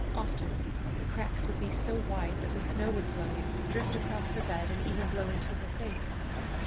Often the cracks would be so wide that the snow would blow in, drift across her bed, and even blow into her face.